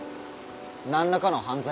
何らかの犯罪？